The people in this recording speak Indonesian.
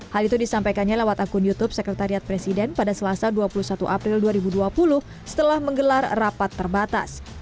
hal itu disampaikannya lewat akun youtube sekretariat presiden pada selasa dua puluh satu april dua ribu dua puluh setelah menggelar rapat terbatas